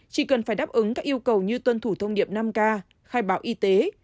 chỉ cần phải đáp ứng các yêu cầu như tuân thủ thông điệp năm k khai báo y tế